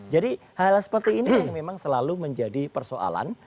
jadi hal seperti ini memang selalu menjadi persoalan